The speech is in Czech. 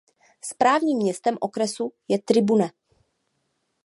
Správním městem okresu je Tribune.